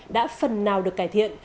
đã phần nào được cải thiện